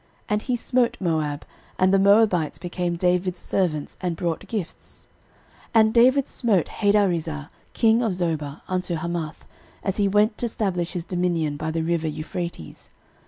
13:018:002 And he smote Moab; and the Moabites became David's servants, and brought gifts. 13:018:003 And David smote Hadarezer king of Zobah unto Hamath, as he went to stablish his dominion by the river Euphrates.